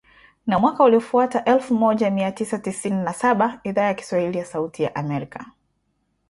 Na mwaka uliofuata elfu moja mia tisa tisini na saba Idhaa ya Kiswahili ya Sauti ya Amerika